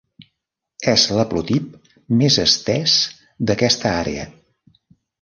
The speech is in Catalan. És l'haplotip més estès d'aquesta àrea.